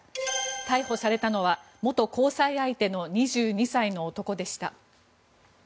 逮捕されたのは元交際相手の２２歳の男でした。